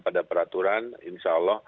pada peraturan insya allah